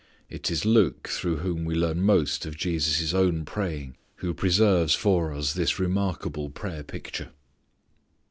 It is Luke through whom we learn most of Jesus' own praying who preserves for us this remarkable prayer picture.